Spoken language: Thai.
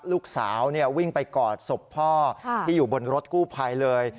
ลูกสาววิ่งไปกอดศพพ่อที่อยู่บนรถกู้ภัยเลย